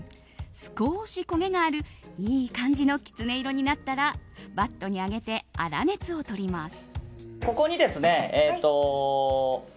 少し焦げがあるいい感じのキツネ色になったらバットにあげて粗熱をとります。